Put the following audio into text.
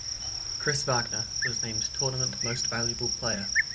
Chris Wagner was named Tournament Most Valuable Player.